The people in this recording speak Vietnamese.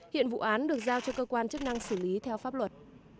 hiện vụ án được giao cho cơ quan chức năng xử lý theo pháp luật